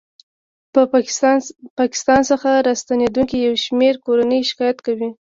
ه پاکستان څخه راستنېدونکې یو شمېر کورنۍ شکایت کوي